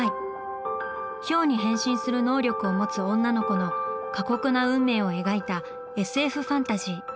ヒョウに変身する能力を持つ女の子の過酷な運命を描いたＳＦファンタジー。